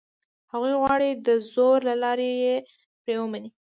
هغوی غواړي دزور له لاري یې پرې ومني.